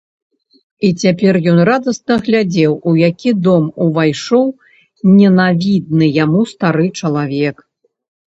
І цяпер ён радасна глядзеў, у які дом увайшоў ненавідны яму стары чалавек.